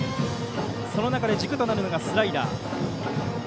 その中で軸となるのがスライダー。